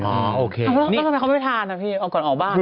แล้วทำไมเขาไม่ทานเอาก่อนออกบ้าน